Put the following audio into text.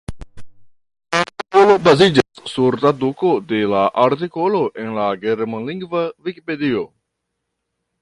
La artikolo baziĝas sur traduko de la artikolo en la germanlingva vikipedio.